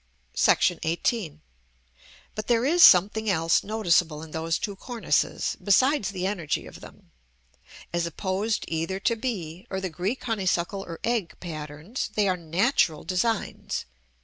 § XVIII. But there is something else noticeable in those two cornices, besides the energy of them: as opposed either to b, or the Greek honeysuckle or egg patterns, they are natural designs.